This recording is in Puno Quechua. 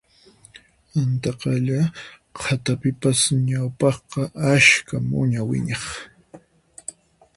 Antaqalla qhatapipas ñawpaqqa ashka muña wiñaq